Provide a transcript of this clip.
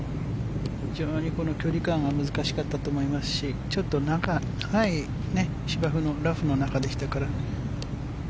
非常にこの距離間は難しかったと思いますしちょっと深い芝生のラフの中でしたから。